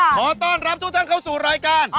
ขอต้อนรับทุกท่านเข้าสู่รายการ